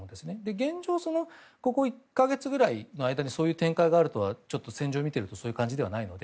現状、ここ１か月くらいの間にそういう展開があるとは戦場を見ているとそういう感じではないので。